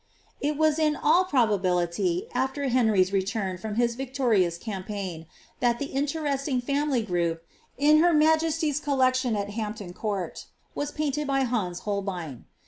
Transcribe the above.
It was in all probability, afler Henry's return from this victorious cam Aign, that the interesting family group, in her majesty's collection at ffampton Court, was painted by Hans Holbein.